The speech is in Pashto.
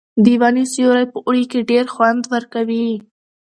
د ونو سیوری په اوړي کې ډېر خوند ورکوي.